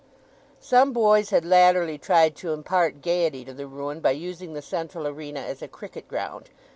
Some boys had latterly tried to impart gaiety to the ruin by using the central arena as a cricket ground.